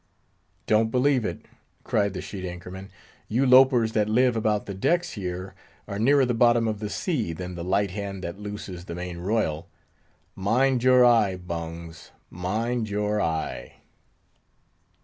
"Don't believe it!" cried the sheet anchor man; "you lopers that live about the decks here are nearer the bottom of the sea than the light hand that looses the main royal. Mind your eye, Bungs—mind your eye!"